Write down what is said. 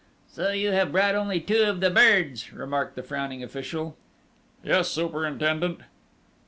"So you have brought only two of the birds?" remarked the frowning official. "Yes, superintendent."